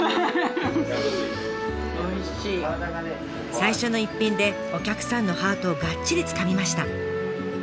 最初の一品でお客さんのハートをがっちりつかみました。